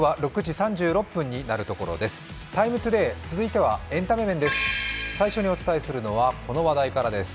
「ＴＩＭＥ，ＴＯＤＡＹ」続いてはエンタメ面です。